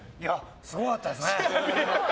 すごかったですね。